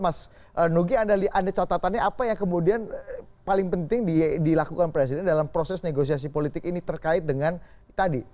mas nugi anda catatannya apa yang kemudian paling penting dilakukan presiden dalam proses negosiasi politik ini terkait dengan tadi